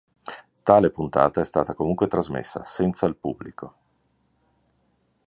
Tale puntata è stata comunque trasmessa, senza il pubblico.